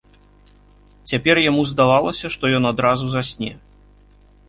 Цяпер яму здавалася, што ён адразу засне.